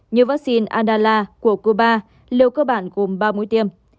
như vắc xin andala của cuba liều cơ bản gồm ba mũi tiêm